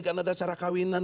karena ada acara kawinan